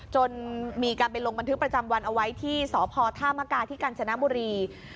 จนมีการไปลงบันทึกประจำวันเอาไว้ที่สพธามกาที่กัญชนะบุรี